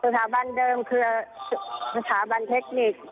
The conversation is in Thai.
สถาบันเดิมเครือสถาบันเทคนิค